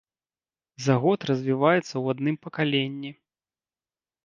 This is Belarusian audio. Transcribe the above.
За год развіваецца ў адным пакаленні.